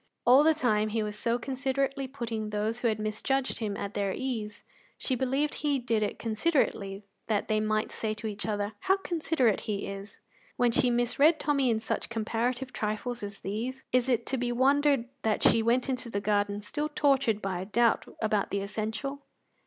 All the time he was so considerately putting those who had misjudged him at their ease she believed he did it considerately that they might say to each other, "How considerate he is!" When she misread Tommy in such comparative trifles as these, is it to be wondered that she went into the garden still tortured by a doubt about the essential?